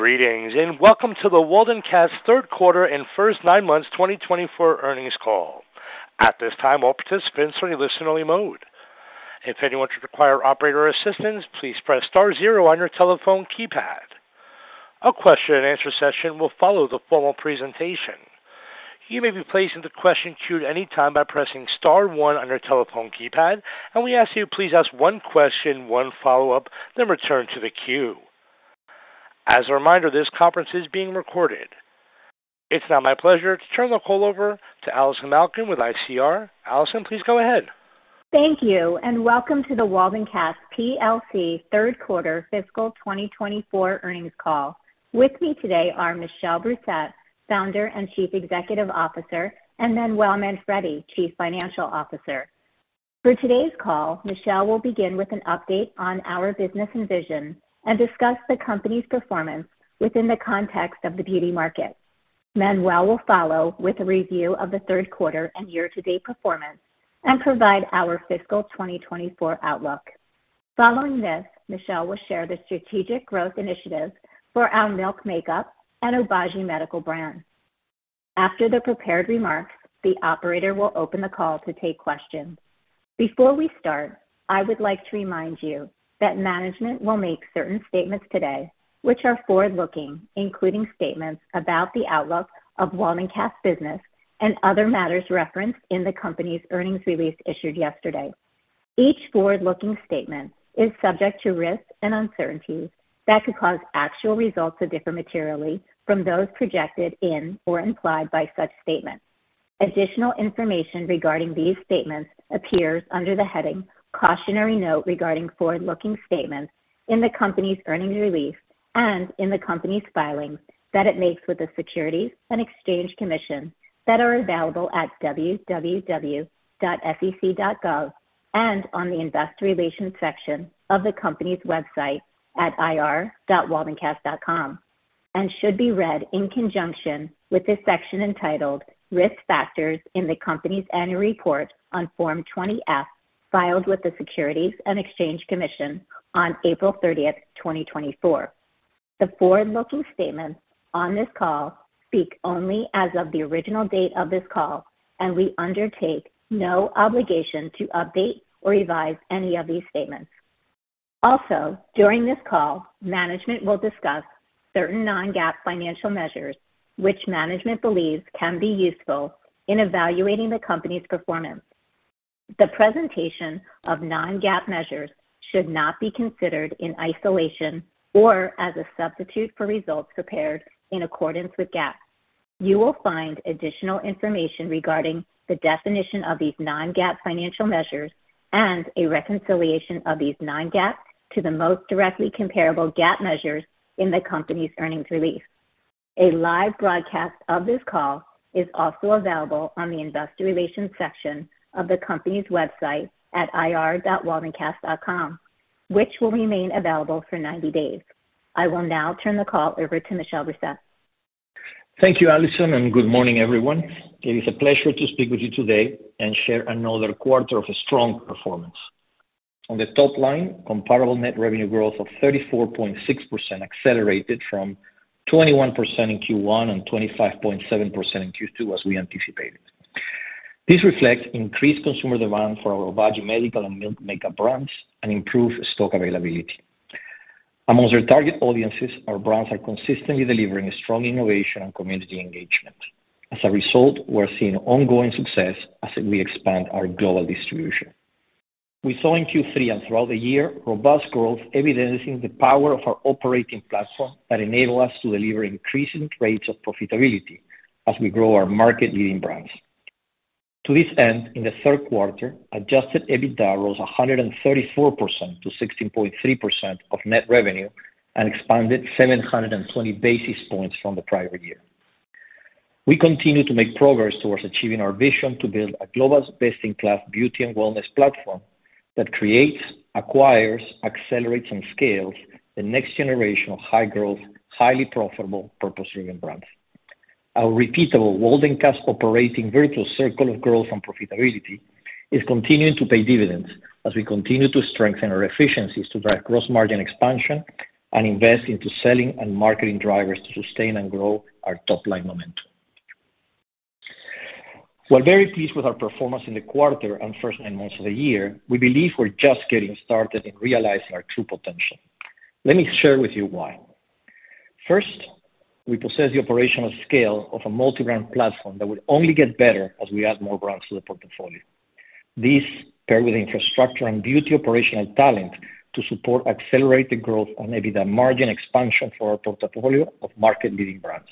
Greetings and welcome to the Waldencast third quarter and first nine months 2024 earnings call. At this time, all participants are in listen-only mode. If anyone should require operator assistance, please press star zero on your telephone keypad. A question-and-answer session will follow the formal presentation. You may be placed into question queue at any time by pressing star one on your telephone keypad, and we ask that you please ask one question, one follow-up, then return to the queue. As a reminder, this conference is being recorded. It's now my pleasure to turn the call over to Allison Malkin with ICR. Allison, please go ahead. Thank you, and welcome to the Waldencast PLC third quarter fiscal 2024 earnings call. With me today are Michel Brousset, Founder and Chief Executive Officer, and Manuel Manfredi, Chief Financial Officer. For today's call, Michel will begin with an update on our business and vision and discuss the company's performance within the context of the beauty market. Manuel will follow with a review of the third quarter and year-to-date performance and provide our fiscal 2024 outlook. Following this, Michel will share the strategic growth initiatives for our Milk Makeup and Obagi Medical brand. After the prepared remarks, the operator will open the call to take questions. Before we start, I would like to remind you that management will make certain statements today, which are forward-looking, including statements about the outlook of Waldencast business and other matters referenced in the company's earnings release issued yesterday. Each forward-looking statement is subject to risks and uncertainties that could cause actual results to differ materially from those projected in or implied by such statements. Additional information regarding these statements appears under the heading "Cautionary Note Regarding Forward-Looking Statements" in the company's earnings release and in the company's filings that it makes with the Securities and Exchange Commission that are available at www.sec.gov and on the Investor Relations section of the company's website at ir.waldencast.com, and should be read in conjunction with this section entitled "Risk Factors in the Company's Annual Report on Form 20-F Filed with the Securities and Exchange Commission on April 30th, 2024." The forward-looking statements on this call speak only as of the original date of this call, and we undertake no obligation to update or revise any of these statements. Also, during this call, management will discuss certain Non-GAAP financial measures, which management believes can be useful in evaluating the company's performance. The presentation of Non-GAAP measures should not be considered in isolation or as a substitute for results prepared in accordance with GAAP. You will find additional information regarding the definition of these Non-GAAP financial measures and a reconciliation of these Non-GAAP to the most directly comparable GAAP measures in the company's earnings release. A live broadcast of this call is also available on the Investor Relations section of the company's website at irwaldencast.com, which will remain available for 90 days. I will now turn the call over to Michel Brousset. Thank you, Allison, and good morning, everyone. It is a pleasure to speak with you today and share another quarter of strong performance. On the top line, comparable net revenue growth of 34.6% accelerated from 21% in Q1 and 25.7% in Q2, as we anticipated. This reflects increased consumer demand for our Obagi Medical and Milk Makeup brands and improved stock availability. Among our target audiences, our brands are consistently delivering strong innovation and community engagement. As a result, we're seeing ongoing success as we expand our global distribution. We saw in Q3 and throughout the year robust growth, evidencing the power of our operating platform that enables us to deliver increasing rates of profitability as we grow our market-leading brands. To this end, in the third quarter, Adjusted EBITDA rose 134% to 16.3% of net revenue and expanded 720 basis points from the prior year. We continue to make progress towards achieving our vision to build a global best-in-class beauty and wellness platform that creates, acquires, accelerates, and scales the next generation of high-growth, highly profitable, purpose-driven brands. Our repeatable Waldencast operating virtuous circle of growth and profitability is continuing to pay dividends as we continue to strengthen our efficiencies to drive gross margin expansion and invest into selling and marketing drivers to sustain and grow our top-line momentum. We're very pleased with our performance in the quarter and first nine months of the year, we believe we're just getting started in realizing our true potential. Let me share with you why. First, we possess the operational scale of a multi-brand platform that will only get better as we add more brands to the portfolio. This, paired with infrastructure and beauty operational talent to support accelerated growth and EBITDA margin expansion for our portfolio of market-leading brands.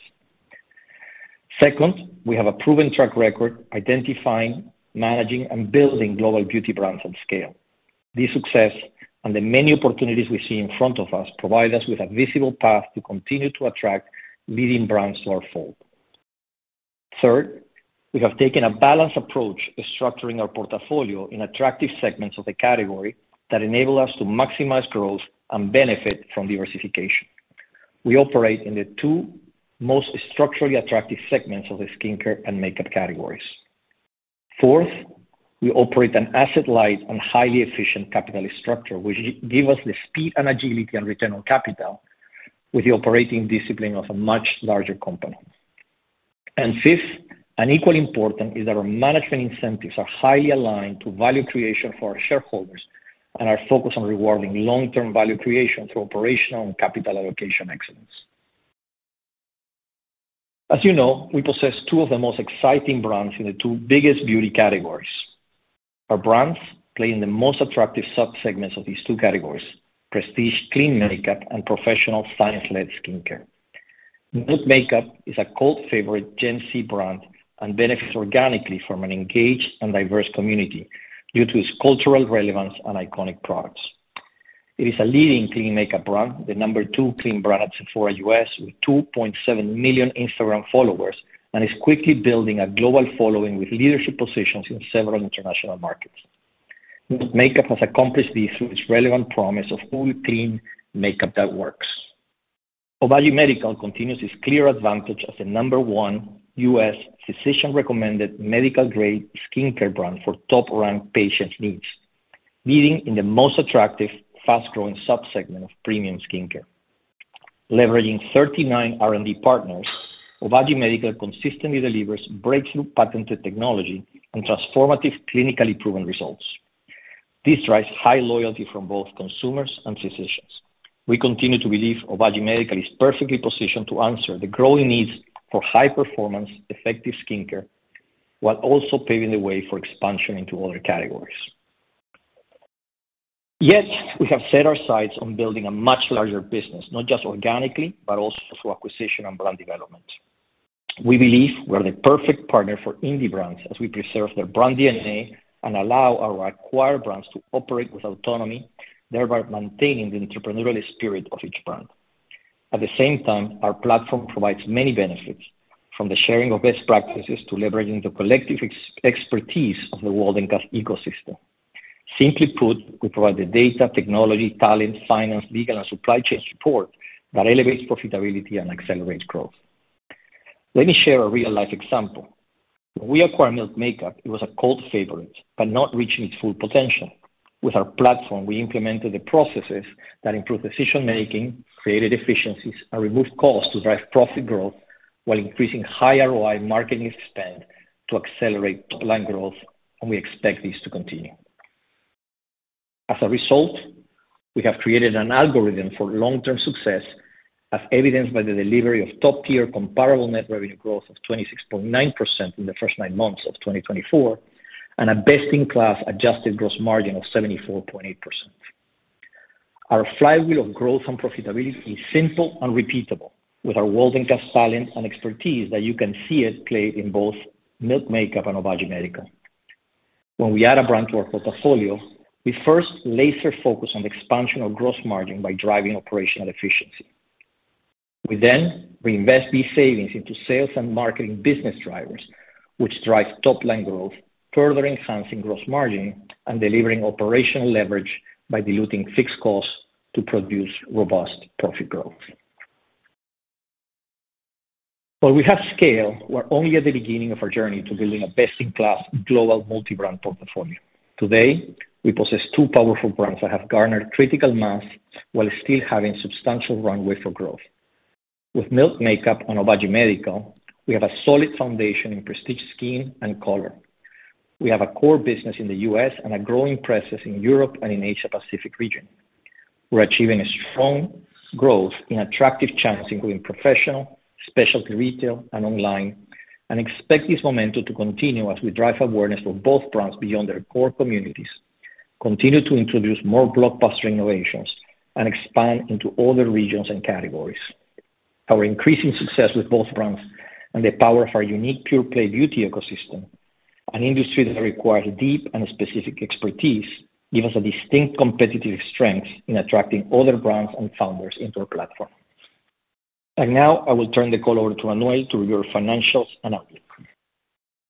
Second, we have a proven track record identifying, managing, and building global beauty brands on scale. This success and the many opportunities we see in front of us provide us with a visible path to continue to attract leading brands to our fold. Third, we have taken a balanced approach to structuring our portfolio in attractive segments of the category that enable us to maximize growth and benefit from diversification. We operate in the two most structurally attractive segments of the skincare and makeup categories. Fourth, we operate an asset-light and highly efficient capital structure, which gives us the speed and agility and return on capital with the operating discipline of a much larger company. Fifth, and equally important, is that our management incentives are highly aligned to value creation for our shareholders and our focus on rewarding long-term value creation through operational and capital allocation excellence. As you know, we possess two of the most exciting brands in the two biggest beauty categories. Our brands play in the most attractive subsegments of these two categories: prestige clean makeup and professional science-led skincare. Milk Makeup is a cult favorite Gen Z brand and benefits organically from an engaged and diverse community due to its cultural relevance and iconic products. It is a leading clean makeup brand, the number two clean brand at Sephora U.S. with 2.7 million Instagram followers, and is quickly building a global following with leadership positions in several international markets. Milk Makeup has accomplished this through its relevant promise of cool, clean makeup that works. Obagi Medical continues its clear advantage as the number one U.S. physician-recommended medical-grade skincare brand for top-ranked patients' needs, leading in the most attractive, fast-growing subsegment of premium skincare. Leveraging 39 R&D partners, Obagi Medical consistently delivers breakthrough patented technology and transformative clinically proven results. This drives high loyalty from both consumers and physicians. We continue to believe Obagi Medical is perfectly positioned to answer the growing needs for high-performance, effective skincare while also paving the way for expansion into other categories. Yet, we have set our sights on building a much larger business, not just organically, but also through acquisition and brand development. We believe we are the perfect partner for indie brands as we preserve their brand DNA and allow our acquired brands to operate with autonomy, thereby maintaining the entrepreneurial spirit of each brand. At the same time, our platform provides many benefits, from the sharing of best practices to leveraging the collective expertise of the Waldencast ecosystem. Simply put, we provide the data, technology, talent, finance, legal, and supply chain support that elevates profitability and accelerates growth. Let me share a real-life example. When we acquired Milk Makeup, it was a cult favorite, but not reaching its full potential. With our platform, we implemented the processes that improve decision-making, created efficiencies, and removed costs to drive profit growth while increasing high ROI marketing expense to accelerate top-line growth, and we expect this to continue. As a result, we have created an algorithm for long-term success, as evidenced by the delivery of top-tier comparable net revenue growth of 26.9% in the first nine months of 2024 and a best-in-class adjusted gross margin of 74.8%. Our flywheel of growth and profitability is simple and repeatable, with our Waldencast talent and expertise that you can see at play in both Milk Makeup and Obagi Medical. When we add a brand to our portfolio, we first laser-focus on the expansion of gross margin by driving operational efficiency. We then reinvest these savings into sales and marketing business drivers, which drive top-line growth, further enhancing gross margin and delivering operational leverage by diluting fixed costs to produce robust profit growth. While we have scale, we're only at the beginning of our journey to building a best-in-class global multi-brand portfolio. Today, we possess two powerful brands that have garnered critical mass while still having substantial runway for growth. With Milk Makeup and Obagi Medical, we have a solid foundation in prestige skin and color. We have a core business in the U.S. and a growing presence in Europe and in the Asia-Pacific region. We're achieving strong growth in attractive channels, including professional, specialty retail, and online, and expect this momentum to continue as we drive awareness for both brands beyond their core communities, continue to introduce more blockbuster innovations, and expand into other regions and categories. Our increasing success with both brands and the power of our unique pure-play beauty ecosystem, an industry that requires deep and specific expertise, give us a distinct competitive strength in attracting other brands and founders into our platform. And now, I will turn the call over to Manuel to review our financials and outlook.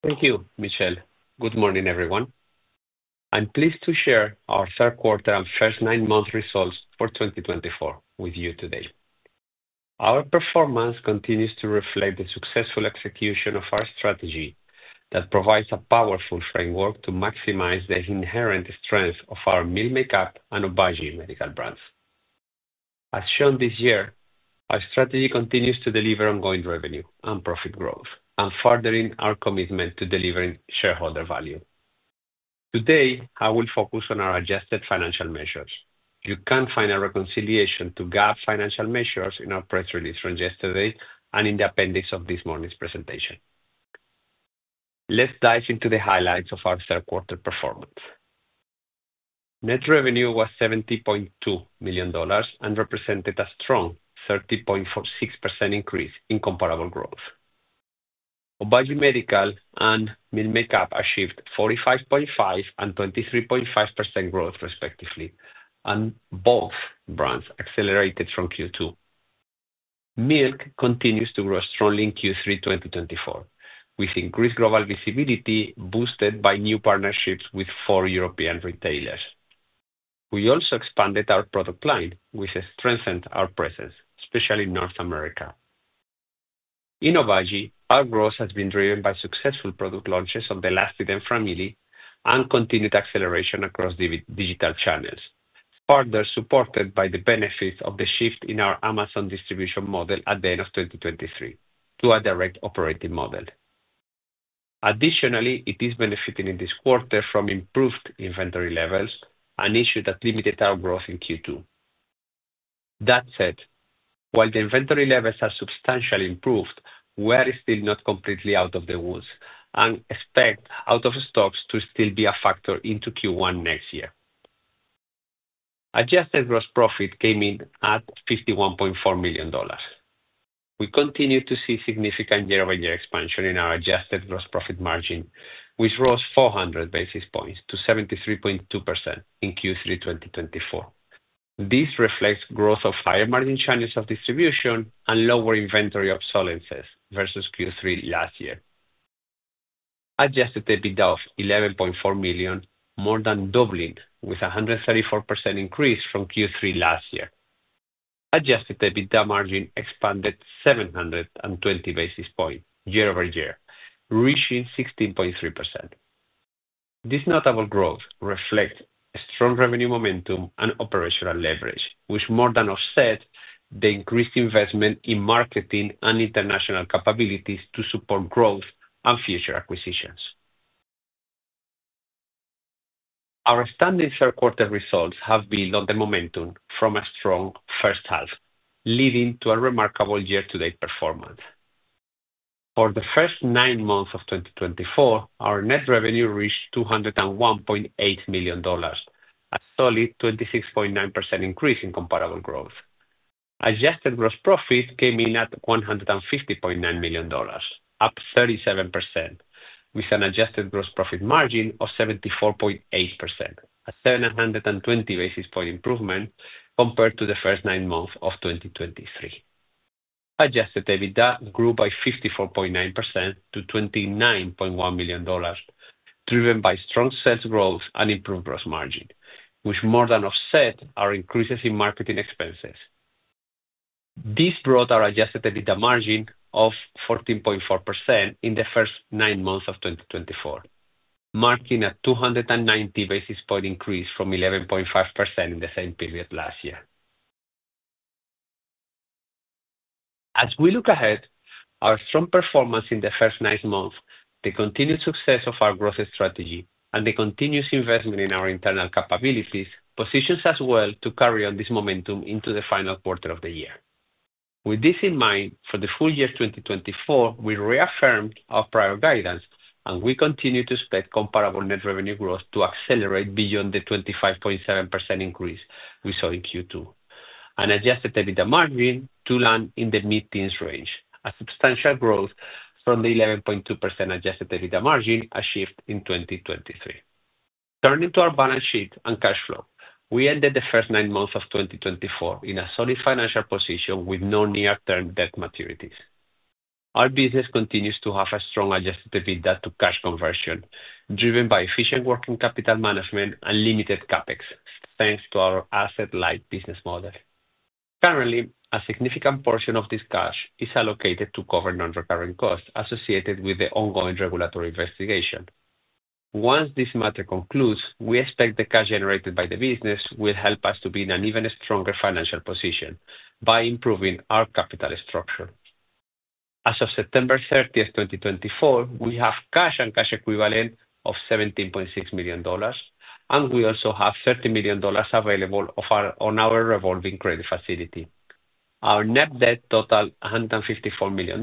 Thank you, Michel. Good morning, everyone. I'm pleased to share our third quarter and first nine month results for 2024 with you today. Our performance continues to reflect the successful execution of our strategy that provides a powerful framework to maximize the inherent strength of our Milk Makeup and Obagi Medical brands. As shown this year, our strategy continues to deliver ongoing revenue and profit growth, and furthering our commitment to delivering shareholder value. Today, I will focus on our adjusted financial measures. You can find a reconciliation to GAAP financial measures in our press release from yesterday and in the appendix of this morning's presentation. Let's dive into the highlights of our third quarter performance. Net revenue was $70.2 million and represented a strong 30.6% increase in comparable growth. Obagi Medical and Milk Makeup achieved 45.5% and 23.5% growth, respectively, and both brands accelerated from Q2. Milk continues to grow strongly in Q3 2024, with increased global visibility boosted by new partnerships with four European retailers. We also expanded our product line, which has strengthened our presence, especially in North America. In Obagi, our growth has been driven by successful product launches of the ELASTIderm family, and continued acceleration across digital channels, further supported by the benefits of the shift in our Amazon distribution model at the end of 2023 to a direct operating model. Additionally, it is benefiting in this quarter from improved inventory levels, an issue that limited our growth in Q2. That said, while the inventory levels have substantially improved, we are still not completely out of the woods, and expect out-of-stocks to still be a factor into Q1 next year. Adjusted gross profit came in at $51.4 million. We continue to see significant year-over-year expansion in our adjusted gross profit margin, which rose 400 basis points to 73.2% in Q3 2024. This reflects growth of higher margin channels of distribution and lower inventory obsolescence versus Q3 last year. Adjusted EBITDA of $11.4 million more than doubling, with a 134% increase from Q3 last year. Adjusted EBITDA margin expanded 720 basis points year-over-year, reaching 16.3%. This notable growth reflects strong revenue momentum and operational leverage, which more than offsets the increased investment in marketing and international capabilities to support growth and future acquisitions. Our outstanding third quarter results have built on the momentum from a strong first half, leading to a remarkable year-to-date performance. For the first nine months of 2024, our net revenue reached $201.8 million, a solid 26.9% increase in comparable growth. Adjusted gross profit came in at $150.9 million, up 37%, with an adjusted gross profit margin of 74.8%, a 720 basis point improvement compared to the first nine months of 2023. Adjusted EBITDA grew by 54.9% to $29.1 million, driven by strong sales growth and improved gross margin, which more than offsets our increases in marketing expenses. This brought our adjusted EBITDA margin of 14.4% in the first nine months of 2024, marking a 290 basis point increase from 11.5% in the same period last year. As we look ahead, our strong performance in the first nine months, the continued success of our growth strategy, and the continued investment in our internal capabilities position us well to carry on this momentum into the final quarter of the year. With this in mind, for the full year 2024, we reaffirmed our prior guidance, and we continue to expect comparable net revenue growth to accelerate beyond the 25.7% increase we saw in Q2, and adjusted EBITDA margin to land in the mid-teens range, a substantial growth from the 11.2% adjusted EBITDA margin achieved in 2023. Turning to our balance sheet and cash flow, we ended the first nine months of 2024 in a solid financial position with no near-term debt maturities. Our business continues to have a strong adjusted EBITDA to cash conversion, driven by efficient working capital management and limited CapEx, thanks to our asset-light business model. Currently, a significant portion of this cash is allocated to cover non-recurring costs associated with the ongoing regulatory investigation. Once this matter concludes, we expect the cash generated by the business will help us to be in an even stronger financial position by improving our capital structure. As of September 30, 2024, we have cash and cash equivalent of $17.6 million, and we also have $30 million available on our revolving credit facility. Our net debt totaled $154 million,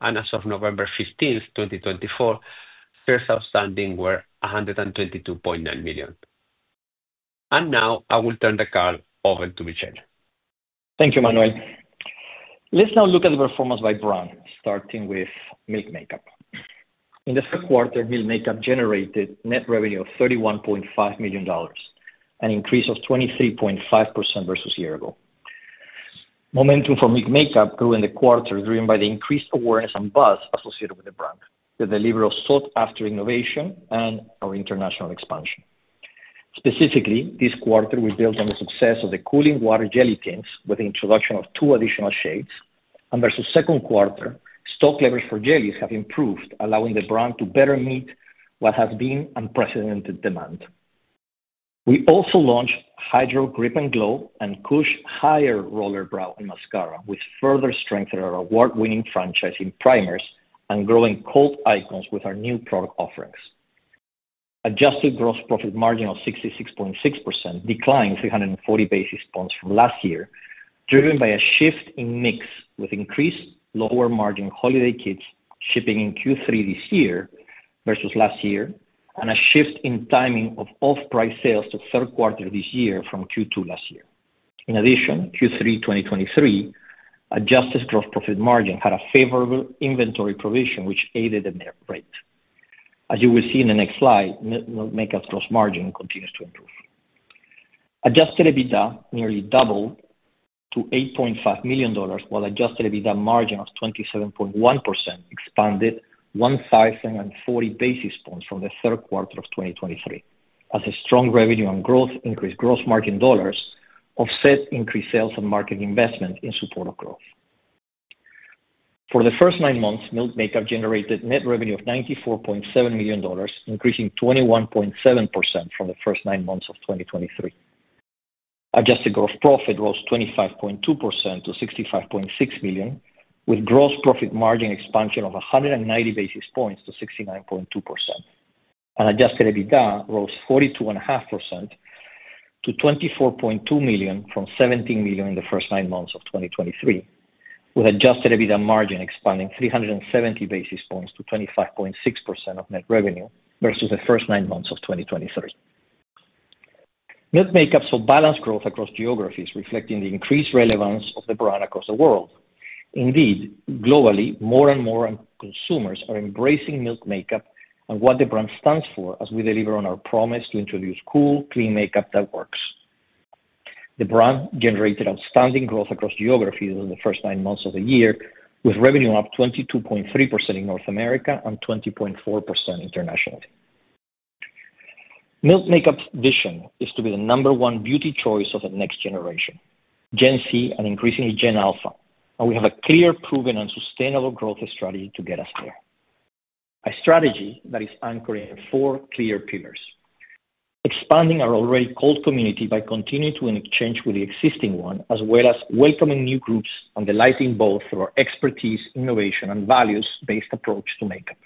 and as of November 15, 2024, shares outstanding were 122.9 million. Now, I will turn the call over to Michel. Thank you, Manuel. Let's now look at the performance by brand, starting with Milk Makeup. In the third quarter, Milk Makeup generated net revenue of $31.5 million, an increase of 23.5% versus a year ago. Momentum for Milk Makeup grew in the quarter, driven by the increased awareness and buzz associated with the brand, the delivery of sought-after innovation, and our international expansion. Specifically, this quarter, we built on the success of the Cooling Water Jelly tints with the introduction of two additional shades, and versus the second quarter, stock levels for jellies have improved, allowing the brand to better meet what has been unprecedented demand. We also launched Hydro Grip + Glow and KUSH High Roller brow and mascara, with further strength in our award-winning franchise primers and growing cult icons with our new product offerings. Adjusted gross profit margin of 66.6% declined 340 basis points from last year, driven by a shift in mix with increased lower-margin holiday kits shipping in Q3 this year versus last year, and a shift in timing of off-price sales to third quarter this year from Q2 last year. In addition, Q3 2023 adjusted gross profit margin had a favorable inventory provision, which aided the net rate. As you will see in the next slide, Milk Makeup's gross margin continues to improve. Adjusted EBITDA nearly doubled to $8.5 million, while adjusted EBITDA margin of 27.1% expanded 1,040 basis points from the third quarter of 2023. As a strong revenue and growth increased gross margin dollars offset increased sales and market investment in support of growth. For the first nine months, Milk Makeup generated net revenue of $94.7 million, increasing 21.7% from the first nine months of 2023. Adjusted gross profit rose 25.2% to $65.6 million, with gross profit margin expansion of 190 basis points to 69.2%. Adjusted EBITDA rose 42.5% to $24.2 million from $17 million in the first nine months of 2023, with adjusted EBITDA margin expanding 370 basis points to 25.6% of net revenue versus the first nine months of 2023. Milk Makeup saw balanced growth across geographies, reflecting the increased relevance of the brand across the world. Indeed, globally, more and more consumers are embracing Milk Makeup and what the brand stands for as we deliver on our promise to introduce cool, clean makeup that works. The brand generated outstanding growth across geographies in the first nine months of the year, with revenue up 22.3% in North America and 20.4% internationally. Milk Makeup's vision is to be the number one beauty choice of the next generation, Gen Z and increasingly Gen Alpha, and we have a clear, proven, and sustainable growth strategy to get us there. A strategy that is anchored in four clear pillars: expanding our already cult community by continuing to exchange with the existing one, as well as welcoming new groups and delighting both through our expertise, innovation, and values-based approach to makeup.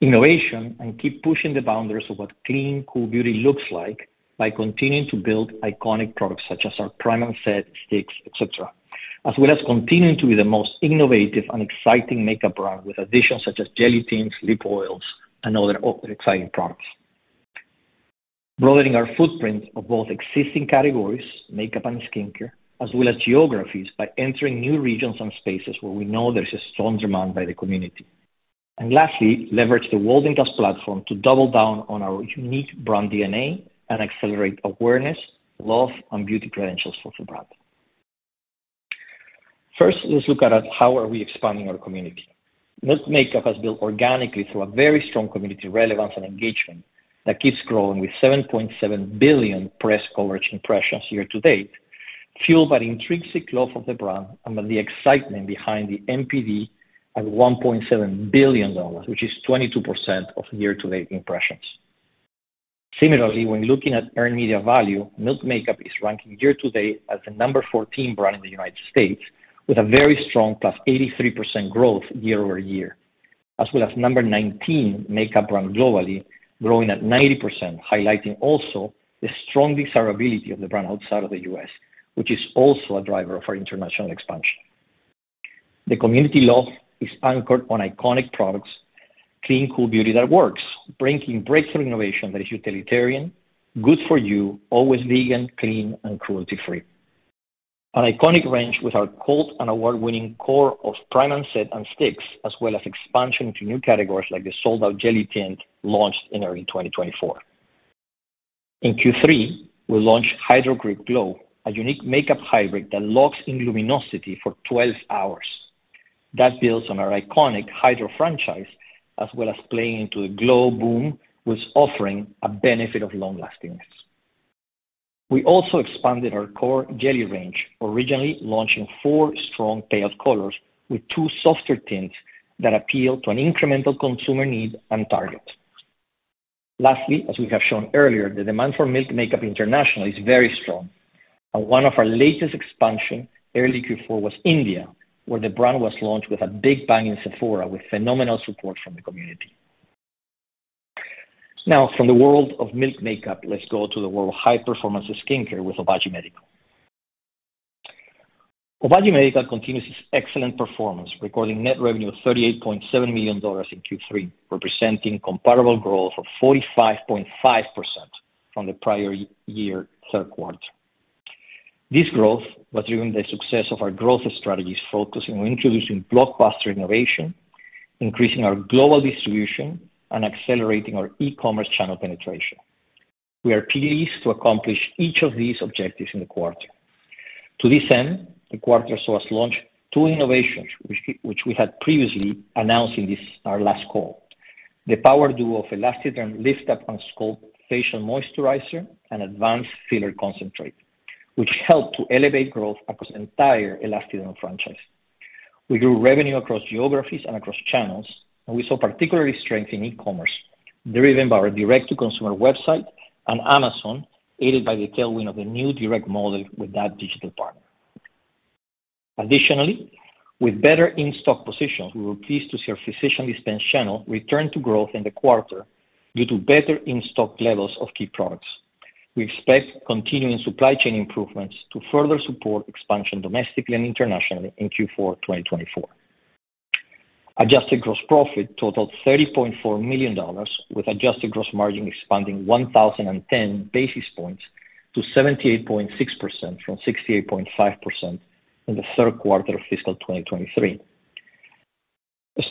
Innovation and keep pushing the boundaries of what clean, cool beauty looks like by continuing to build iconic products such as our Prime and Set sticks, etc., as well as continuing to be the most innovative and exciting makeup brand with additions such as jelly tints, lip oils, and other exciting products. Broadening our footprint of both existing categories, makeup and skincare, as well as geographies by entering new regions and spaces where we know there's a strong demand by the community, and lastly, leverage the Waldencast platform to double down on our unique brand DNA and accelerate awareness, love, and beauty credentials for the brand. First, let's look at how are we expanding our community. Milk Makeup has built organically through a very strong community relevance and engagement that keeps growing with 7.7 billion press coverage impressions year-to-date, fueled by the intrinsic love of the brand and by the excitement behind the NPD at $1.7 billion, which is 22% of year-to-date impressions. Similarly, when looking at earned media value, Milk Makeup is ranking year-to-date as the number 14 brand in the United States, with a very strong plus 83% growth year-over-year, as well as number 19 makeup brand globally, growing at 90%, highlighting also the strong desirability of the brand outside of the U.S., which is also a driver of our international expansion. The community love is anchored on iconic products, clean, cool beauty that works, bringing breakthrough innovation that is utilitarian, good for you, always vegan, clean, and cruelty-free. An iconic range with our cult and award-winning core of Prime and Set and Sticks, as well as expansion into new categories like the sold-out jelly tint launched in early 2024. In Q3, we launched Hydro Grip Glow, a unique makeup hybrid that locks in luminosity for 12 hours. That builds on our iconic Hydro franchise, as well as playing into the Glow boom with offering a benefit of long-lastingness. We also expanded our core jelly range, originally launching four strong palette colors with two softer tints that appeal to an incremental consumer need and target. Lastly, as we have shown earlier, the demand for Milk Makeup International is very strong, and one of our latest expansions early Q4 was India, where the brand was launched with a big bang in Sephora with phenomenal support from the community. Now, from the world of Milk Makeup, let's go to the world of high-performance skincare with Obagi Medical. Obagi Medical continues its excellent performance, recording net revenue of $38.7 million in Q3, representing comparable growth of 45.5% from the prior year third quarter. This growth was driven by the success of our growth strategies focusing on introducing blockbuster innovation, increasing our global distribution, and accelerating our e-commerce channel penetration. We are pleased to accomplish each of these objectives in the quarter. To this end, the quarter saw us launch two innovations which we had previously announced in our last call: the power duo of ELASTIderm Lift Up & Sculpt Facial Moisturizer and ELASTIderm Advanced Filler Concentrate, which helped to elevate growth across the entire ELASTIderm franchise. We grew revenue across geographies and across channels, and we saw particular strength in e-commerce, driven by our direct-to-consumer website and Amazon, aided by the tailwind of the new direct model with that digital partner. Additionally, with better in-stock positions, we were pleased to see our physician-dispensed channel return to growth in the quarter due to better in-stock levels of key products. We expect continuing supply chain improvements to further support expansion domestically and internationally in Q4 2024. Adjusted gross profit totaled $30.4 million, with adjusted gross margin expanding 1,010 basis points to 78.6% from 68.5% in the third quarter of fiscal 2023.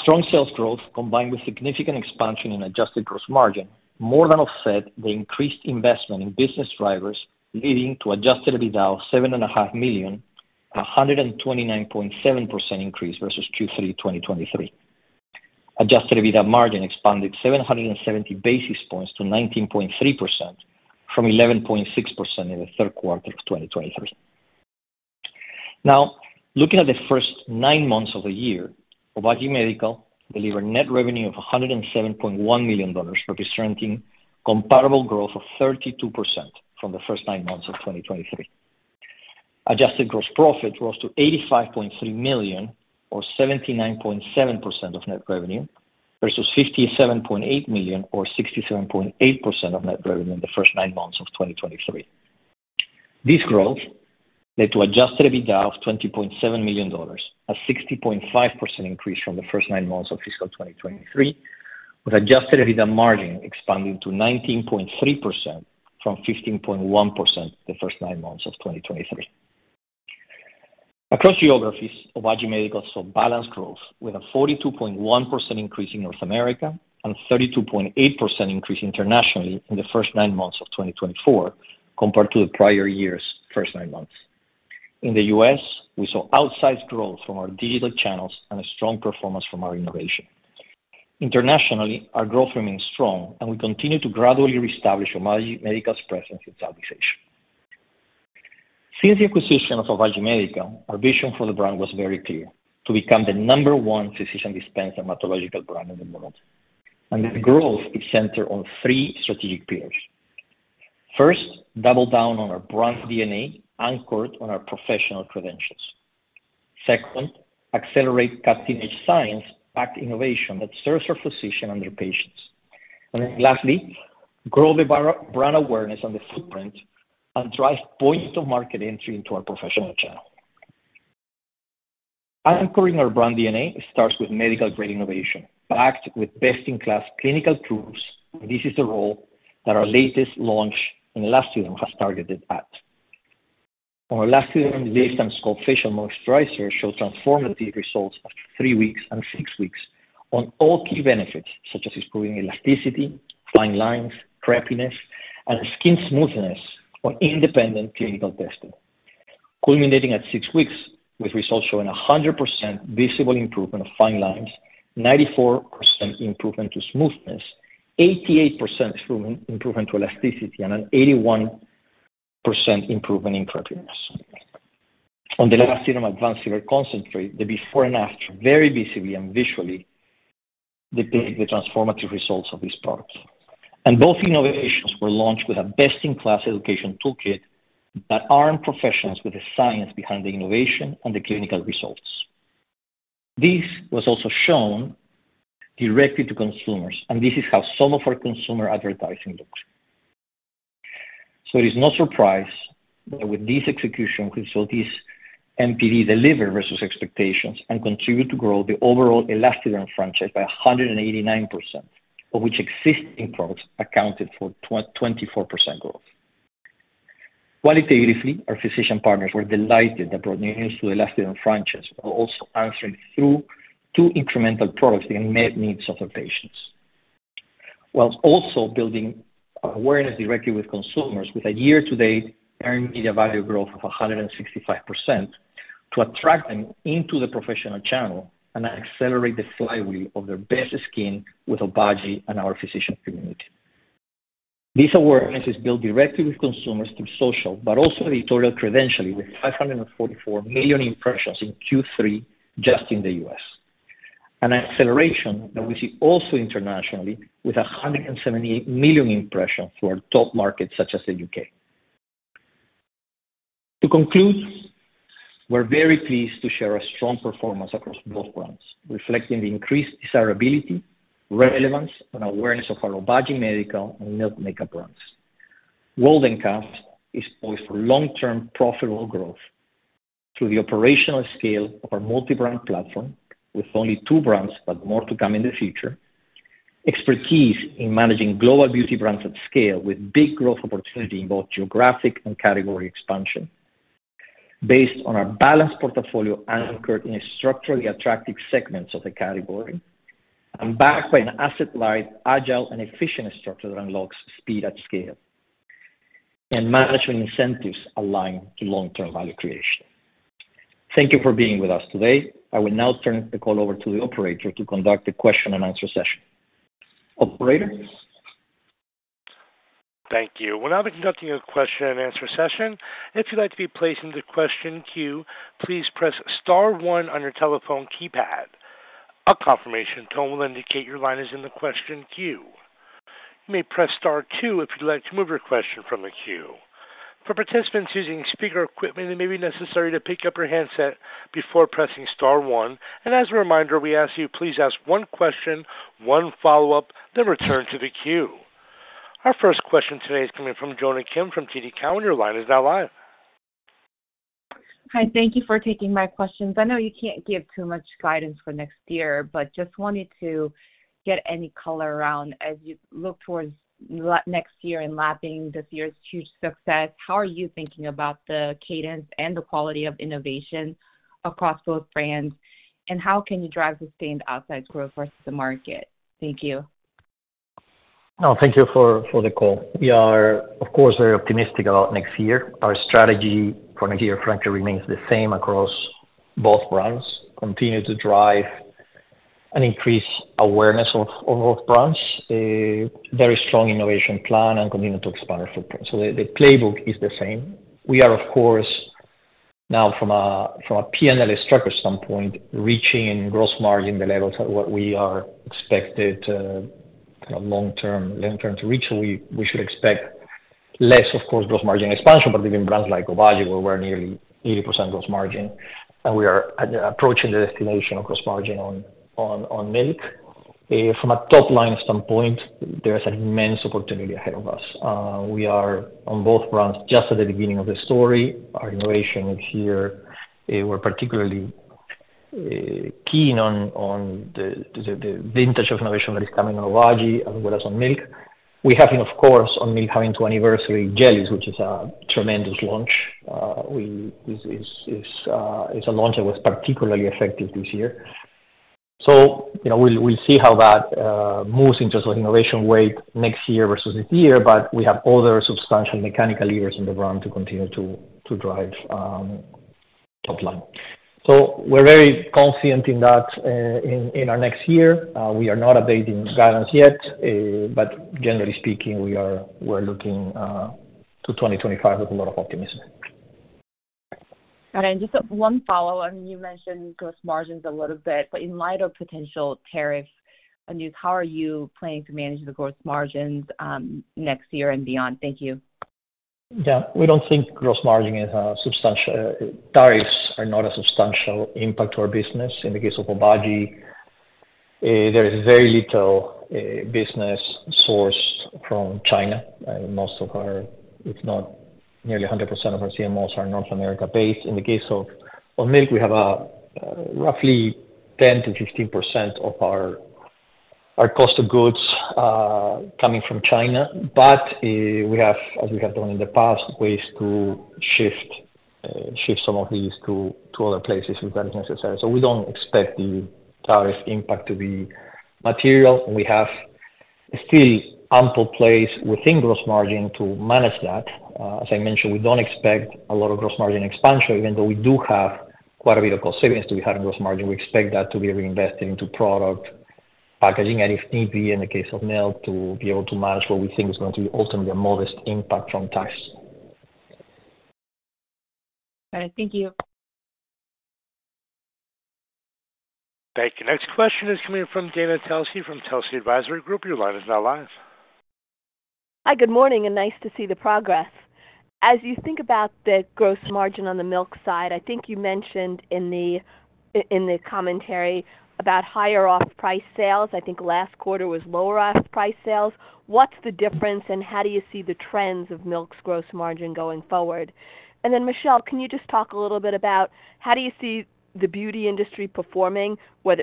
Strong sales growth, combined with significant expansion in adjusted gross margin, more than offset the increased investment in business drivers, leading to adjusted EBITDA of $7.5 million, a 129.7% increase versus Q3 2023. Adjusted EBITDA margin expanded 770 basis points to 19.3% from 11.6% in the third quarter of 2023. Now, looking at the first nine months of the year, Obagi Medical delivered net revenue of $107.1 million, representing comparable growth of 32% from the first nine months of 2023. Adjusted gross profit rose to $85.3 million, or 79.7% of net revenue, versus $57.8 million, or 67.8% of net revenue in the first nine months of 2023. This growth led to adjusted EBITDA of $20.7 million, a 60.5% increase from the first nine months of fiscal 2023, with adjusted EBITDA margin expanding to 19.3% from 15.1% the first nine months of 2023. Across geographies, Obagi Medical saw balanced growth with a 42.1% increase in North America and a 32.8% increase internationally in the first nine months of 2024, compared to the prior year's first nine months. In the U.S., we saw outsized growth from our digital channels and a strong performance from our innovation. Internationally, our growth remained strong, and we continue to gradually reestablish Obagi Medical's presence in Southeast Asia. Since the acquisition of Obagi Medical, our vision for the brand was very clear: to become the number one physician-dispensed dermatological brand in the world, and the growth is centered on three strategic pillars. First, double down on our brand DNA anchored on our professional credentials. Second, accelerate cutting-edge science-backed innovation that serves our physician and their patients. And then lastly, grow the brand awareness and the footprint and drive point-of-market entry into our professional channel. Anchoring our brand DNA starts with medical-grade innovation backed with best-in-class clinical tools, and this is the role that our latest launch in ELASTIderm has targeted at. Our ELASTIderm Lift Up & Sculpt Facial Moisturizer showed transformative results after three weeks and six weeks on all key benefits, such as improving elasticity, fine lines, crepiness, and skin smoothness on independent clinical testing, culminating at six weeks with results showing 100% visible improvement of fine lines, 94% improvement to smoothness, 88% improvement to elasticity, and an 81% improvement in crepiness. On the ELASTIderm Advanced Filler Concentrate, the before and after very visibly and visually depict the transformative results of these products. And both innovations were launched with a best-in-class education toolkit that armed professionals with the science behind the innovation and the clinical results. This was also shown directly to consumers, and this is how some of our consumer advertising looks. So it is no surprise that with this execution, we saw this NPD deliver versus expectations and contribute to grow the overall ELASTIderm franchise by 189%, of which existing products accounted for 24% growth. Qualitatively, our physician partners were delighted that brought news to the ELASTIderm franchise, while also answering through two incremental products that met needs of their patients, while also building awareness directly with consumers with a year-to-date earned media value growth of 165% to attract them into the professional channel and accelerate the flywheel of their best skin with Obagi and our physician community. This awareness is built directly with consumers through social, but also editorial credentialing with 544 million impressions in Q3 just in the U.S., an acceleration that we see also internationally with 178 million impressions through our top markets such as the U.K. To conclude, we're very pleased to share our strong performance across both brands, reflecting the increased desirability, relevance, and awareness of our Obagi Medical and Milk Makeup brands. Waldencast is poised for long-term profitable growth through the operational scale of our multi-brand platform with only two brands, but more to come in the future, expertise in managing global beauty brands at scale with big growth opportunity in both geographic and category expansion, based on our balanced portfolio anchored in structurally attractive segments of the category, and backed by an asset-light, agile, and efficient structure that unlocks speed at scale and management incentives aligned to long-term value creation. Thank you for being with us today. I will now turn the call over to the operator to conduct the question and answer session. Operator? Thank you. We're now conducting a question and answer session. If you'd like to be placed in the question queue, please press star one on your telephone keypad. A confirmation tone will indicate your line is in the question queue. You may press star two if you'd like to move your question from the queue. For participants using speaker equipment, it may be necessary to pick up your handset before pressing star one. As a reminder, we ask you to please ask one question, one follow-up, then return to the queue. Our first question today is coming from Jonna Kim from TD Cowen, and your line is now live. Hi. Thank you for taking my questions. I know you can't give too much guidance for next year, but just wanted to get any color around as you look towards next year and lapping this year's huge success. How are you thinking about the cadence and the quality of innovation across both brands, and how can you drive sustained outsized growth versus the market? Thank you. No, thank you for the call. We are, of course, very optimistic about next year. Our strategy for next year frankly remains the same across both brands: continue to drive and increase awareness of both brands, very strong innovation plan, and continue to expand our footprint, so the playbook is the same. We are, of course, now from a P&L structure standpoint, reaching gross margin levels at what we are expected kind of long-term to reach, so we should expect less, of course, gross margin expansion, but within brands like Obagi, where we're nearly 80% gross margin, and we are approaching the destination of gross margin on Milk. From a top-line standpoint, there is an immense opportunity ahead of us. We are on both brands just at the beginning of the story. Our innovation is here. We're particularly keen on the vintage of innovation that is coming on Obagi as well as on Milk. We have been, of course, on Milk having two anniversary jellies, which is a tremendous launch. It's a launch that was particularly effective this year. So we'll see how that moves in terms of innovation weight next year versus this year, but we have other substantial mechanical levers in the brand to continue to drive top line. So we're very confident in that in our next year. We are not updating guidance yet, but generally speaking, we are looking to 2025 with a lot of optimism. All right and just one follow-up. You mentioned gross margins a little bit, but in light of potential tariffs and news, how are you planning to manage the gross margins next year and beyond? Thank you. Yeah. We don't think gross margin is a substantial— tariffs are not a substantial impact to our business. In the case of Obagi, there is very little business sourced from China. Most of our, if not nearly 100% of our CMOs are North America-based. In the case of Milk, we have roughly 10%-15% of our cost of goods coming from China, but we have, as we have done in the past, ways to shift some of these to other places if that is necessary. So we don't expect the tariff impact to be material. We have still ample place within gross margin to manage that. As I mentioned, we don't expect a lot of gross margin expansion, even though we do have quite a bit of cost savings to be had in gross margin. We expect that to be reinvested into product packaging and, if need be, in the case of Milk, to be able to manage what we think is going to be ultimately a modest impact from tax. All right. Thank you. Thank you. Next question is coming from Dana Telsey from Telsey Advisory Group. Your line is now live. Hi. Good morning, and nice to see the progress. As you think about the gross margin on the Milk side, I think you mentioned in the commentary about higher-off price sales. I think last quarter was lower-off price sales. What's the difference, and how do you see the trends of Milk's gross margin going forward? Then, Michel, can you just talk a little bit about how do you see the beauty industry performing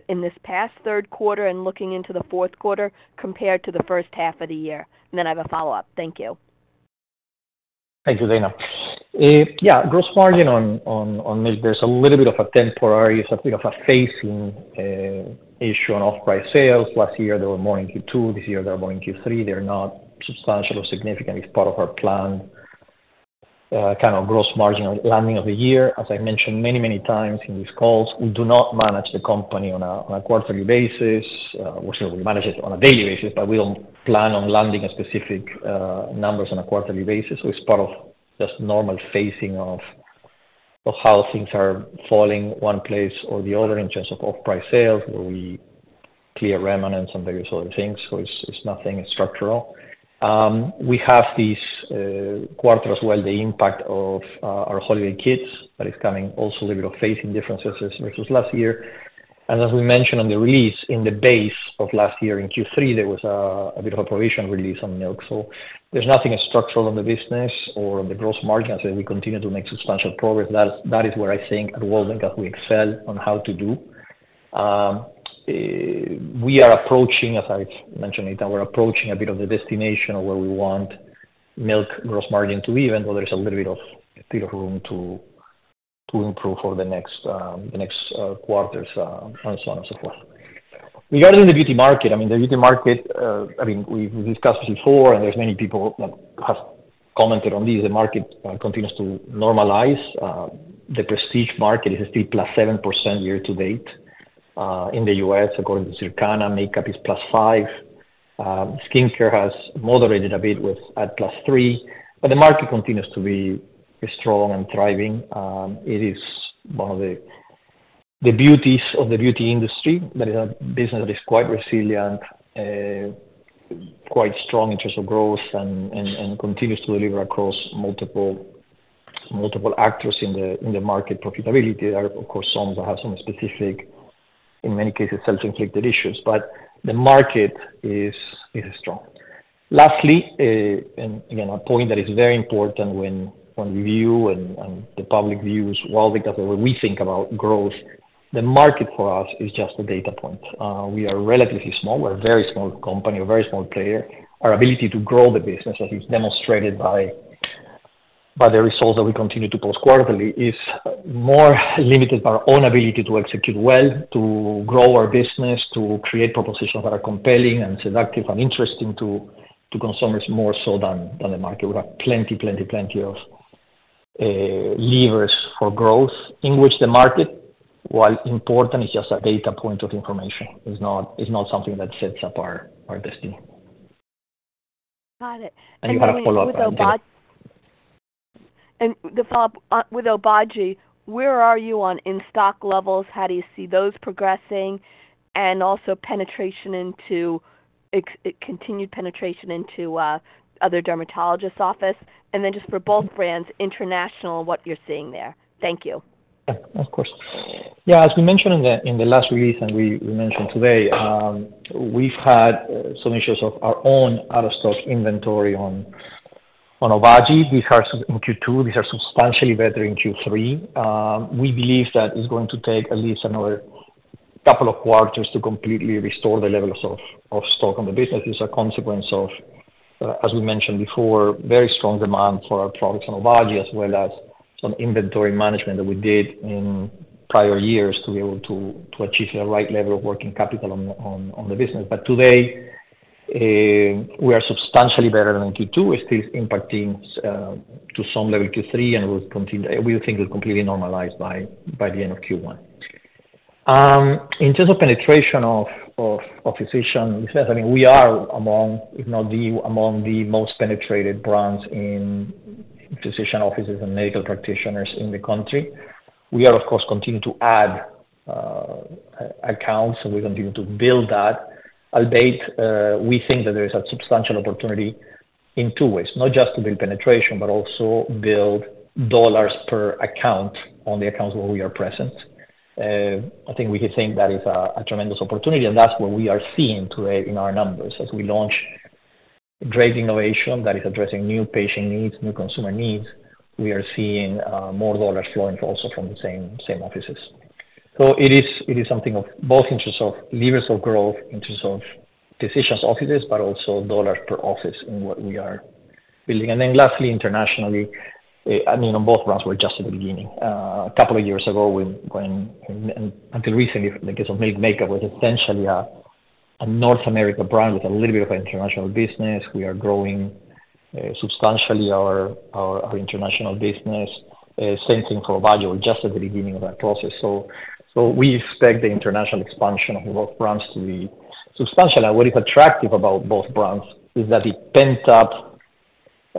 in this past third quarter and looking into the fourth quarter compared to the first half of the year? And then I have a follow-up. Thank you. Thank you, Dana. Yeah. Gross margin on Milk, there's a little bit of a temporary, something of a phasing issue on off-price sales. Last year, they were more in Q2. This year, they're more in Q3. They're not substantial or significant as part of our planned kind of gross margin landing of the year. As I mentioned many, many times in these calls, we do not manage the company on a quarterly basis. We manage it on a daily basis, but we don't plan on landing a specific number on a quarterly basis. So it's part of just normal phasing of how things are falling one place or the other in terms of off-price sales, where we clear remnants and various other things. So it's nothing structural. We have this quarter as well, the impact of our holiday kits that is coming also a little bit of phasing differences versus last year. And as we mentioned on the release, in the base of last year in Q3, there was a bit of a provision release on Milk. So there's nothing structural on the business or on the gross margin as we continue to make substantial progress. That is where I think at Waldencast we excel on how to do. We are approaching, as I mentioned, we're approaching a bit of the destination of where we want Milk gross margin to even, but there's a little bit of room to improve for the next quarters and so on and so forth. Regarding the beauty market, I mean, we've discussed before, and there's many people that have commented on this. The market continues to normalize. The prestige market is still +7% year-to-date in the U.S., according to Circana. Makeup is +5%. Skincare has moderated a bit at +3%, but the market continues to be strong and thriving. It is one of the beauties of the beauty industry. That is a business that is quite resilient, quite strong in terms of growth, and continues to deliver across multiple actors in the market profitability. There are, of course, some that have some specific, in many cases, self-inflicted issues, but the market is strong. Lastly, and again, a point that is very important when we view and the public views Waldencast, where we think about growth, the market for us is just a data point. We are relatively small. We're a very small company, a very small player. Our ability to grow the business, as is demonstrated by the results that we continue to post quarterly, is more limited by our own ability to execute well, to grow our business, to create propositions that are compelling and seductive and interesting to consumers more so than the market. We have plenty, plenty, plenty of levers for growth in which the market, while important, is just a data point of information. It's not something that sets up our destiny. Got it. And the follow-up with Obagi: where are you on in-stock levels? How do you see those progressing? And also continued penetration into other dermatologists' offices? And then just for both brands, international, what you're seeing there? Thank you. Yeah. Of course. Yeah. As we mentioned in the last release and we mentioned today, we've had some issues of our own out-of-stock inventory on Obagi. These are in Q2. These are substantially better in Q3. We believe that it's going to take at least another couple of quarters to completely restore the levels of stock on the business. It's a consequence of, as we mentioned before, very strong demand for our products on Obagi as well as some inventory management that we did in prior years to be able to achieve the right level of working capital on the business. But today, we are substantially better than Q2. We're still impacted to some level Q3, and we think it will completely normalize by the end of Q1. In terms of penetration of physicians, I mean, we are among, if not among the most penetrated brands in physician offices and medical practitioners in the country. We are, of course, continuing to add accounts, and we continue to build that. Albeit we think that there is a substantial opportunity in two ways, not just to build penetration, but also build dollars per account on the accounts where we are present. I think that is a tremendous opportunity, and that's what we are seeing today in our numbers. As we launched great innovation that is addressing new patient needs, new consumer needs, we are seeing more dollars flowing also from the same offices. So it is something of both in terms of levers of growth, in terms of physicians' offices, but also dollars per office in what we are building. And then lastly, internationally, I mean, on both brands, we're just at the beginning. A couple of years ago, until recently, in the case of Milk Makeup, was essentially a North America brand with a little bit of an international business. We are growing substantially our international business. Same thing for Obagi. We're just at the beginning of that process. So we expect the international expansion of both brands to be substantial. What is attractive about both brands is that it's pent up.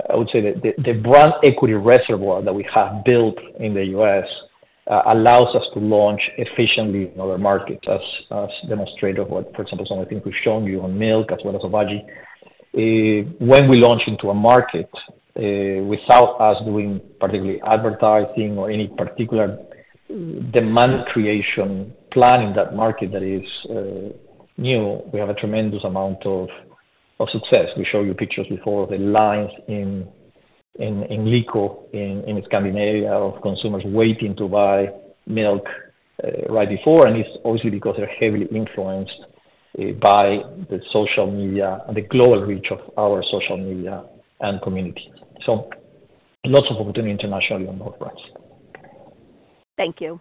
I would say the brand equity reservoir that we have built in the U.S. allows us to launch efficiently in other markets, as demonstrated by what, for example, some of the things we've shown you on Milk as well as Obagi. When we launch into a market without us doing particularly advertising or any particular demand creation plan in that market that is new, we have a tremendous amount of success. We showed you pictures before of the lines in Lyko in Scandinavia of consumers waiting to buy Milk right before. And it's obviously because they're heavily influenced by the social media and the global reach of our social media and community. So lots of opportunity internationally on both brands. Thank you.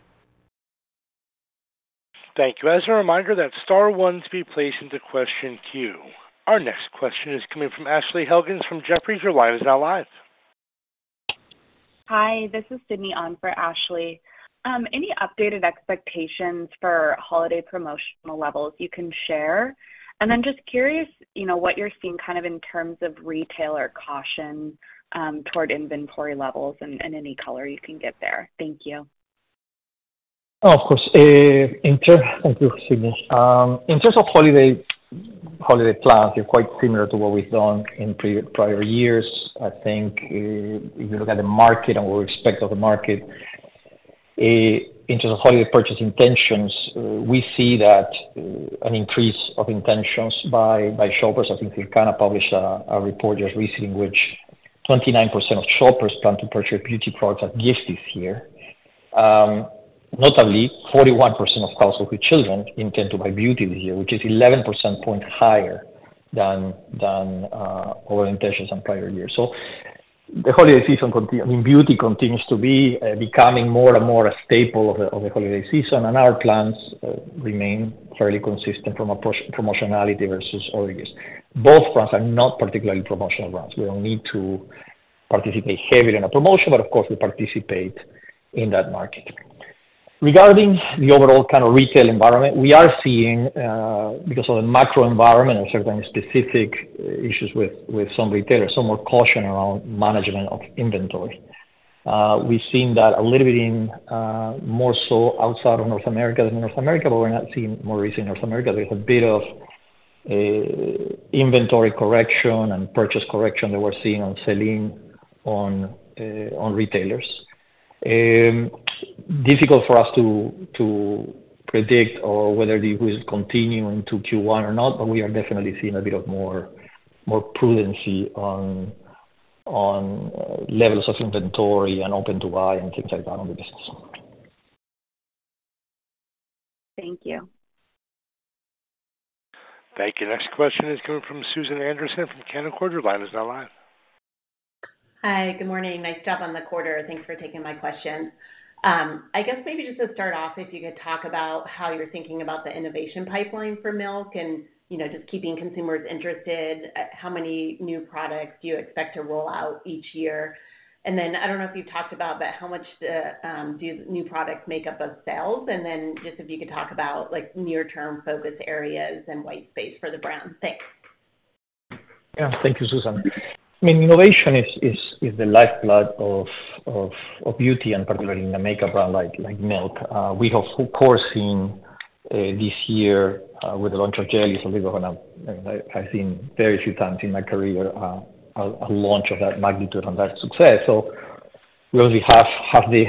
Thank you. As a reminder, that star ones be placed into question queue. Our next question is coming from Ashley Helgans from Jefferies. Your line is now live. Hi. This is Sydney on for Ashley. Any updated expectations for holiday promotional levels you can share? And then just curious what you're seeing kind of in terms of retailer caution toward inventory levels and any color you can give there? Thank you. Oh, of course. Thank you, Sydney. In terms of holiday plans, they're quite similar to what we've done in prior years. I think if you look at the market and what we expect of the market in terms of holiday purchase intentions, we see an increase of intentions by shoppers. I think Circana published a report just recently in which 29% of shoppers plan to purchase beauty products as gifts this year. Notably, 41% of households with children intend to buy beauty this year, which is 11 percentage points higher than our intentions in prior years. So the holiday season continues. I mean, beauty continues to be becoming more and more a staple of the holiday season, and our plans remain fairly consistent from promotionality versus holidays. Both brands are not particularly promotional brands. We don't need to participate heavily in a promotion, but of course, we participate in that market. Regarding the overall kind of retail environment, we are seeing, because of the macro environment, certain specific issues with some retailers, some more caution around management of inventory. We've seen that a little bit, more so outside of North America than in North America, but we're not seeing more recently in North America. There's a bit of inventory correction and purchase correction that we're seeing on selling to retailers. Difficult for us to predict whether this will continue into Q1 or not, but we are definitely seeing a bit of more prudency on levels of inventory and open to buy and things like that on the business. Thank you. Thank you. Next question is coming from Susan Anderson from Canaccord. Your line is now live. Hi. Good morning. Nice job on the quarter. Thanks for taking my question. I guess maybe just to start off, if you could talk about how you're thinking about the innovation pipeline for Milk and just keeping consumers interested. How many new products do you expect to roll out each year? And then I don't know if you've talked about, but how much do new products make up of sales? And then just if you could talk about near-term focus areas and white space for the brand? Thanks. Yeah. Thank you, Susan. I mean, innovation is the lifeblood of beauty, and particularly in the makeup brand like Milk. We have, of course, seen this year with the launch of Jelly, something we're going to, I've seen very few times in my career, a launch of that magnitude and that success. So we already have the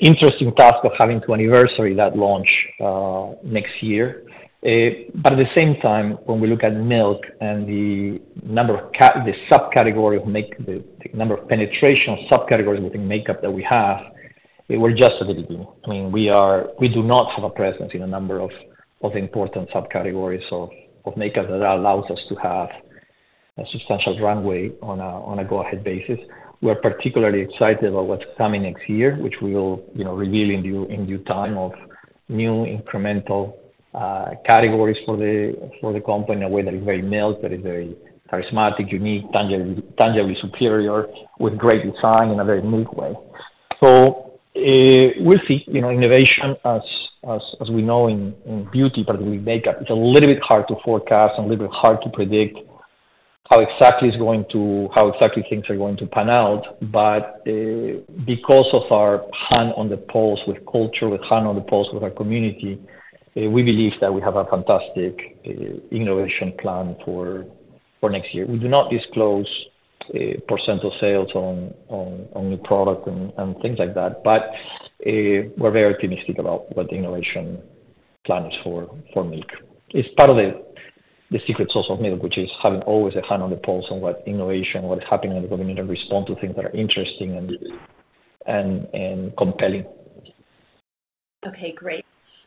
interesting task of having to anniversary that launch next year. But at the same time, when we look at Milk and the number of subcategories of— the number of penetration subcategories within makeup that we have, we're just at the beginning. I mean, we do not have a presence in a number of the important subcategories of makeup that allows us to have a substantial runway on a go-ahead basis. We're particularly excited about what's coming next year, which we will reveal in due time of new incremental categories for the company in a way that is very Milk, that is very charismatic, unique, tangibly superior with great design in a very Milk way. So we'll see. Innovation, as we know in beauty, particularly makeup, it's a little bit hard to forecast, a little bit hard to predict how exactly it's going to, how exactly things are going to pan out. But because of our hand on the pulse with culture, with hand on the pulse with our community, we believe that we have a fantastic innovation plan for next year. We do not disclose percent of sales on new products and things like that, but we're very optimistic about what the innovation plan is for Milk. It's part of the secret sauce of Milk, which is having always a hand on the pulse on what innovation, what is happening in the community, and respond to things that are interesting and compelling. Okay. Great.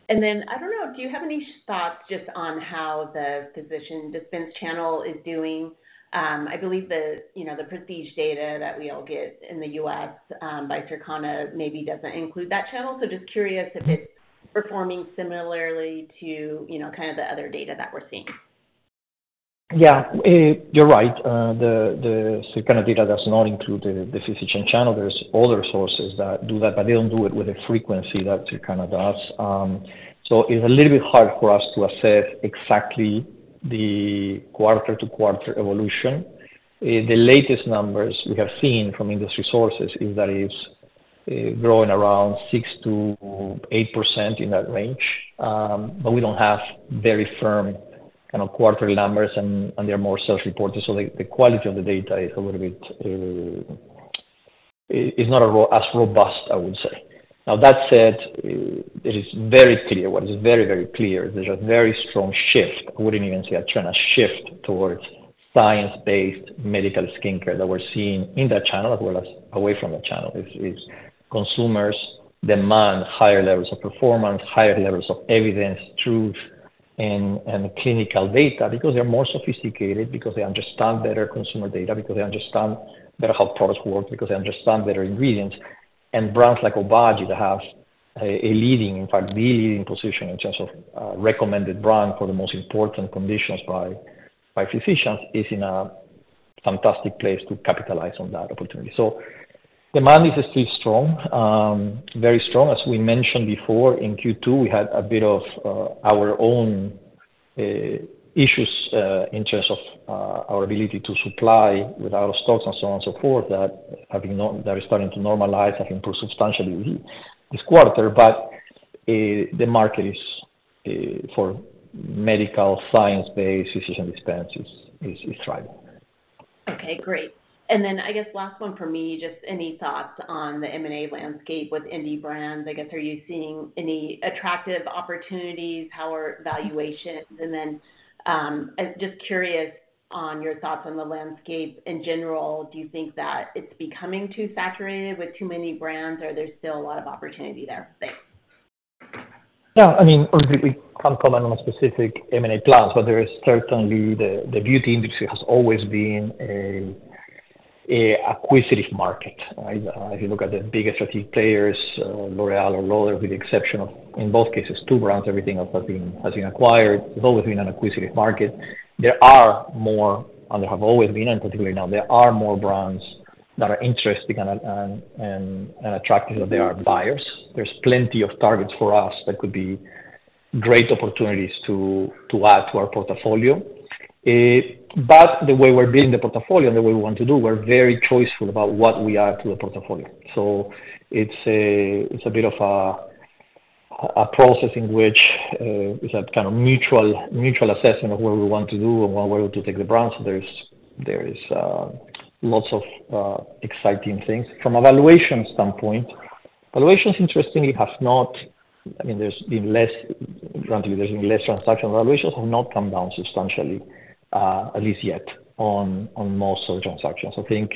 And then I don't know, do you have any thoughts just on how the physician-dispensed channel is doing? I believe the prestige data that we all get in the U.S. by Circana maybe doesn't include that channel. So just curious if it's performing similarly to kind of the other data that we're seeing. Yeah. You're right. The Circana data does not include the physician channel. There's other sources that do that, but they don't do it with the frequency that Circana does. So it's a little bit hard for us to assess exactly the quarter-to-quarter evolution. The latest numbers we have seen from industry sources is that it's growing around 6%-8% in that range, but we don't have very firm kind of quarterly numbers, and they're more self-reported, so the quality of the data is a little bit is not as robust, I would say. Now, that said, it is very clear. What is very, very clear is there's a very strong shift. I wouldn't even say a trend, a shift towards science-based medical skincare that we're seeing in that channel as well as away from that channel as consumers demand higher levels of performance, higher levels of evidence, truth, and clinical data because they're more sophisticated, because they understand better consumer data, because they understand better how products work, because they understand better ingredients. And brands like Obagi that have a leading, in fact, the leading position in terms of recommended brand for the most important conditions by physicians is in a fantastic place to capitalize on that opportunity. So demand is still strong, very strong. As we mentioned before, in Q2, we had a bit of our own issues in terms of our ability to supply with out-of-stocks and so on and so forth that are starting to normalize, have improved substantially this quarter. But the market for medical science-based physician-dispensed is thriving. Okay. Great. And then I guess last one for me, just any thoughts on the M&A landscape with indie brands? I guess are you seeing any attractive opportunities? How are valuations? And then just curious on your thoughts on the landscape in general. Do you think that it's becoming too saturated with too many brands, or there's still a lot of opportunity there? Thanks. Yeah. I mean, obviously, we can't comment on a specific M&A plans, but there is certainly the beauty industry has always been an acquisitive market. If you look at the biggest strategic players, L'Oréal or Lauder, with the exception of, in both cases, two brands, everything else has been acquired. There's always been an acquisitive market. There are more, and there have always been, and particularly now, there are more brands that are interesting and attractive that there are buyers. There's plenty of targets for us that could be great opportunities to add to our portfolio. But the way we're building the portfolio and the way we want to do, we're very choosy about what we add to the portfolio. It's a bit of a process in which it's a kind of mutual assessment of what we want to do and what we're able to take the brand. So there's lots of exciting things. From a valuation standpoint, valuations, interestingly, have not. I mean, there's been less, granted. There's been less transactions. Valuations have not come down substantially, at least yet, on most of the transactions. I think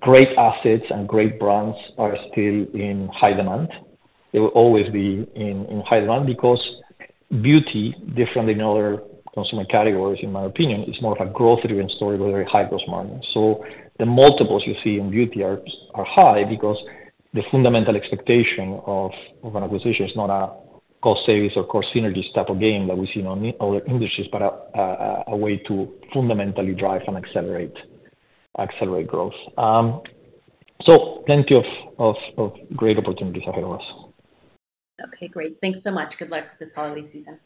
great assets and great brands are still in high demand. They will always be in high demand because beauty, different than other consumer categories, in my opinion, is more of a growth-driven story with a very high-gross margin. So the multiples you see in beauty are high because the fundamental expectation of an acquisition is not a cost-savings or cost-synergies type of game that we see in other industries, but a way to fundamentally drive and accelerate growth. So plenty of great opportunities ahead of us. Okay. Great. Thanks so much. Good luck with this holiday season.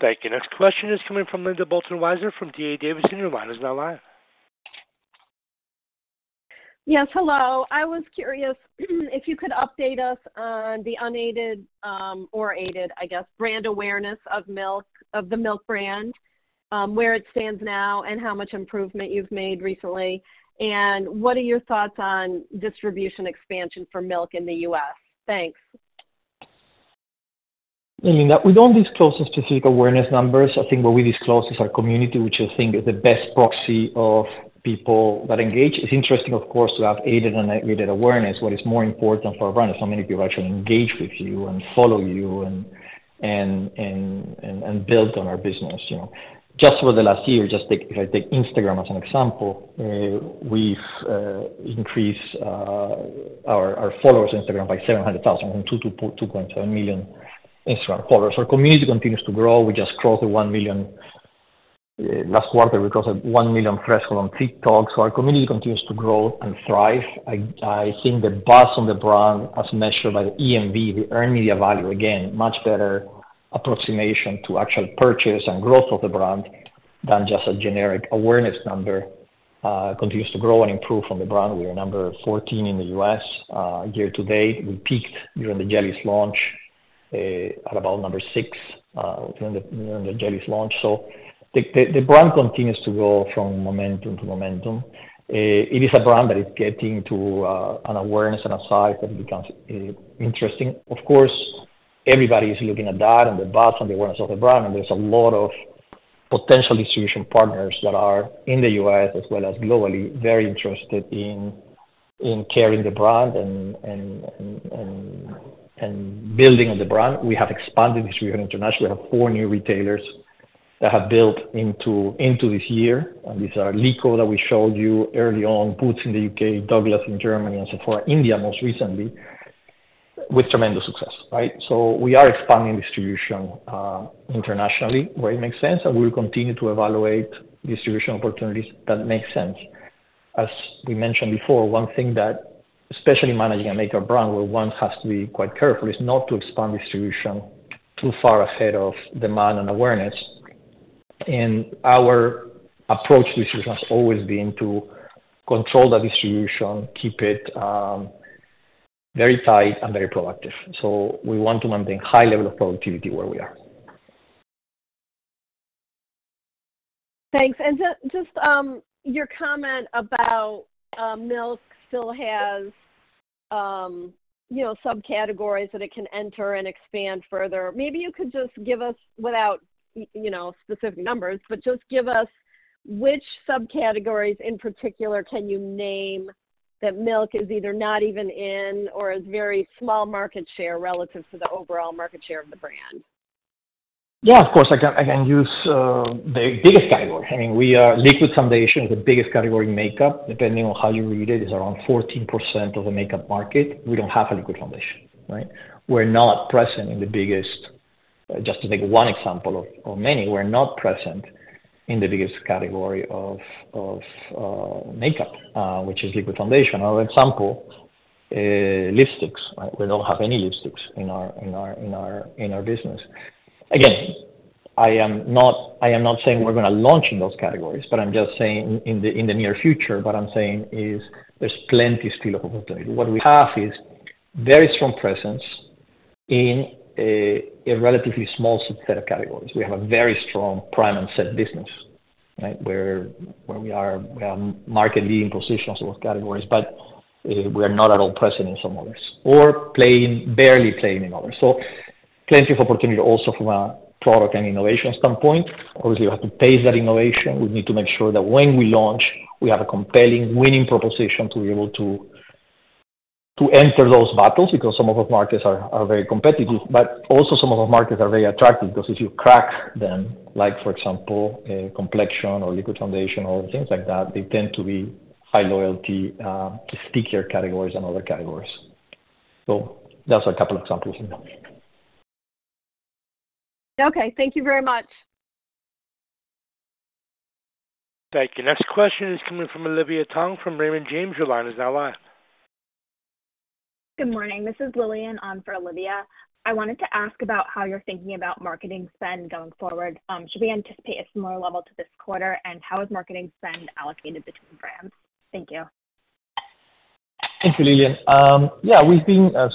Thank you. Next question is coming from Linda Bolton Weiser from D.A. Davidson. Your line is now live. Yes. Hello. I was curious if you could update us on the unaided or aided, I guess, brand awareness of the Milk brand, where it stands now, and how much improvement you've made recently? And what are your thoughts on distribution expansion for milk in the U.S.? Thanks. Linda, we don't disclose the specific awareness numbers. I think what we disclose is our community, which I think is the best proxy of people that engage. It's interesting, of course, to have aided and unaided awareness. What is more important for our brand. It's how many people actually engage with you and follow you and build on our business. Just over the last year, if I take Instagram as an example, we've increased our followers on Instagram by 700,000, from 2.7 million Instagram followers. Our community continues to grow. We just crossed the 1 million last quarter. We crossed the 1 million threshold on TikTok, so our community continues to grow and thrive. I think the buzz on the brand as measured by the EMV, the earned media value, again, much better approximation to actual purchase and growth of the brand than just a generic awareness number, continues to grow and improve on the brand. We are number 14 in the U.S. year-to-date. We peaked during the Jelly's launch at about number six during the Jelly's launch, so the brand continues to go from momentum to momentum. It is a brand that is getting to an awareness and a size that becomes interesting. Of course, everybody is looking at that and the buzz and the awareness of the brand. And there's a lot of potential distribution partners that are in the U.S. as well as globally very interested in carrying the brand and building on the brand. We have expanded distribution internationally. We have four new retailers that have built into this year. And these are Lyko that we showed you early on, Boots in the U.K., Douglas in Germany, and Sephora India most recently, with tremendous success, right? So we are expanding distribution internationally where it makes sense, and we will continue to evaluate distribution opportunities that make sense. As we mentioned before, one thing that especially managing a makeup brand where one has to be quite careful is not to expand distribution too far ahead of demand and awareness. Our approach to distribution has always been to control that distribution, keep it very tight, and very productive. So we want to maintain high level of productivity where we are. Thanks. And just your comment about Milk still has subcategories that it can enter and expand further. Maybe you could just give us, without specific numbers, but just give us which subcategories in particular can you name that Milk is either not even in or has very small market share relative to the overall market share of the brand? Yeah. Of course, I can use the biggest category. I mean, liquid foundation is the biggest category in makeup. Depending on how you read it, it's around 14% of the makeup market. We don't have a liquid foundation, right? We're not present in the biggest just to take one example of many. We're not present in the biggest category of makeup, which is liquid foundation. Another example, lipsticks. We don't have any lipsticks in our business. Again, I am not saying we're going to launch in those categories, but I'm just saying in the near future. What I'm saying is there's plenty still of opportunity. What we have is very strong presence in a relatively small subset of categories. We have a very strong Prime and Set business, right, where we have market-leading positions in those categories, but we are not at all present in some others or barely playing in others. So plenty of opportunity also from a product and innovation standpoint. Obviously, we have to pace that innovation. We need to make sure that when we launch, we have a compelling winning proposition to be able to enter those battles because some of those markets are very competitive. But also, some of those markets are very attractive because if you crack them, like for example, complexion or liquid foundation or things like that, they tend to be high loyalty to stickier categories than other categories. So that's a couple of examples in there. Okay. Thank you very much. Thank you. Next question is coming from Olivia Tong from Raymond James. Your line is now live. Good morning. This is Lillian on for Olivia. I wanted to ask about how you're thinking about marketing spend going forward? Should we anticipate a similar level to this quarter, and how is marketing spend allocated between brands? Thank you. Thank you, Lillian. Yeah. We've been, as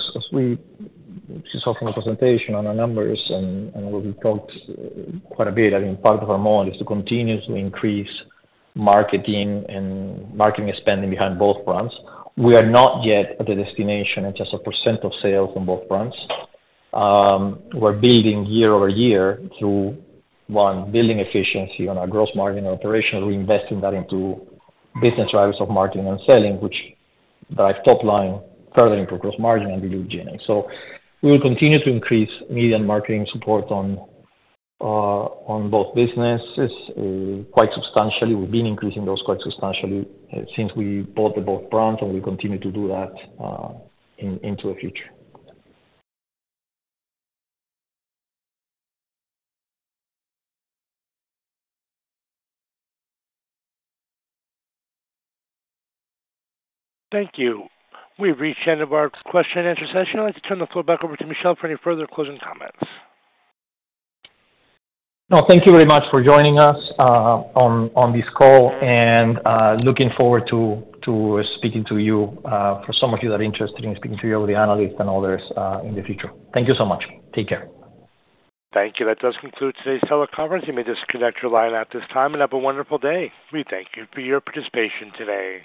she's talking in the presentation on our numbers, and we've talked quite a bit. I think part of our model is to continuously increase marketing and marketing spending behind both brands. We are not yet at the destination in terms of percent of sales on both brands. We're building year-over-year through, one, building efficiency on our gross margin and operations, reinvesting that into business drivers of marketing and selling, which drive top line further into gross margin and below G&A. So we will continue to increase media and marketing support on both businesses quite substantially. We've been increasing those quite substantially since we bought the both brands, and we'll continue to do that into the future. Thank you. We've reached the end of our question-and-answer session. I'd like to turn the floor back over to Michel for any further closing comments. No, thank you very much for joining us on this call and looking forward to speaking to you, for some of you that are interested in speaking to all the analysts and others in the future. Thank you so much. Take care. Thank you. That does conclude today's teleconference. You may disconnect your line at this time, and have a wonderful day. We thank you for your participation today.